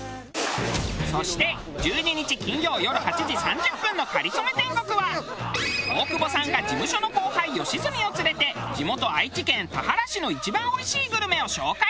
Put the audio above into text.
そして１２日金曜よる８時３０分の『かりそめ天国』は大久保さんが事務所の後輩吉住を連れて地元愛知県田原市の一番おいしいグルメを紹介。